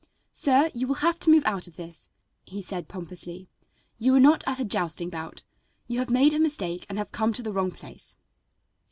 "Sir, you will have to move out of this," he said pompously. "You are not at a jousting bout. You have made a mistake and have come to the wrong place."